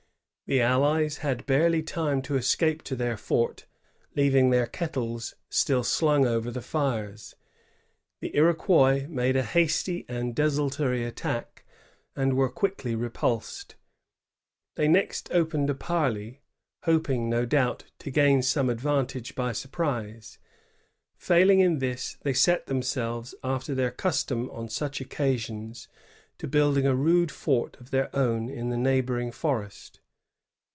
The allies had barely time to escape to their fort, leaving their kettles still slung over the fires. The Iroquois made a hasiy and desultory attack, and were quickly repulsed. They next opened a parley, hoping, no doubt, to gain some advantage by surprise. Failing in this, they set themselves, after their custom on such occasions, to building a rude fort of their own in the neighboring forest.